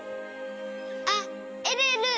あっえるえる！